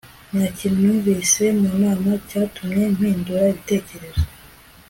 nta kintu numvise mu nama cyatumye mpindura ibitekerezo